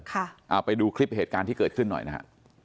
เอาไปดูคลิปเหตุการณ์ที่เกิดขึ้นหน่อยนะฮะ